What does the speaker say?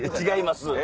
違います。